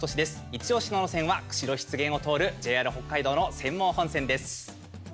イチおしの路線は釧路湿原を通るＪＲ北海道の釧網本線です。